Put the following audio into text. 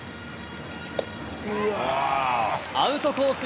アウトコース